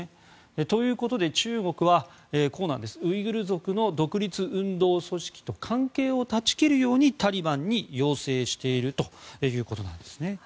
ということで、中国はウイグル族の独立運動組織と関係を断ち切るようにタリバンに要請しているということなんですね。